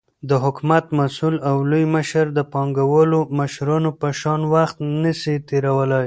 دحكومت مسؤل او لوى مشر دپانگوالو مشرانو په شان وخت نسي تيرولاى،